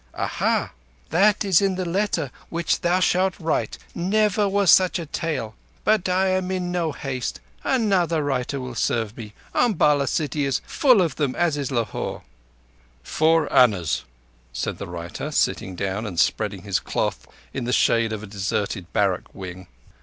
"Aha! That is in the letter which thou shalt write. Never was such a tale. But I am in no haste. Another writer will serve me. Umballa city is as full of them as is Lahore." "Four annas," said the writer, sitting down and spreading his cloth in the shade of a deserted barrack wing.